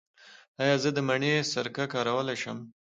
ایا زه د مڼې سرکه کارولی شم؟